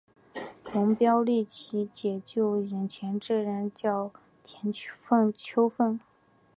龙飙立即解救眼前这个叫田秋凤。